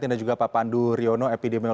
dan juga pak pandu riono